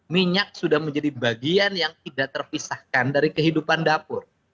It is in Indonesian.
minyak sudah menjadi bagian yang tidak terpisahkan dari kehidupan dapur